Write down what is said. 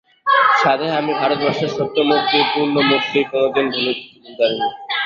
সাধে আমি ভারতবর্ষের সত্য মূর্তি, পূর্ণ মূর্তি কোনোদিন ভুলতে পারি নে!